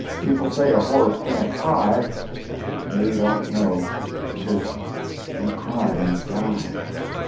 People say a horse can't cry; but they don't know, because we cry inside.